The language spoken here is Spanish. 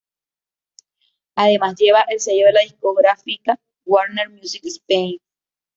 Además, lleva el sello de la discográfica Warner Music Spain.